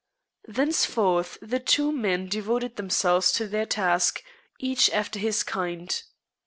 Thenceforth the two men devoted themselves to their task, each after his kind.